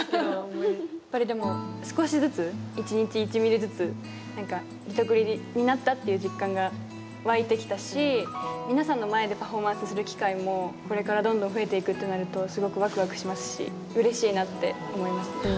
やっぱりでも少しずつ一日１ミリずつリトグリになったっていう実感が湧いてきたし皆さんの前でパフォーマンスする機会もこれからどんどん増えていくってなるとすごくワクワクしますしうれしいなって思いますね。